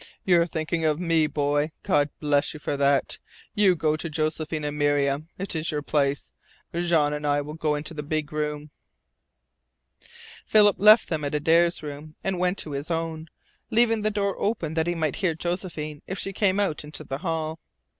"You're thinking of ME, Boy. God bless you for that. You go to Josephine and Miriam. It is your place. Jean and I will go into the big room." Philip left them at Adare's room and went to his own, leaving the door open that he might hear Josephine if she came out into the hall.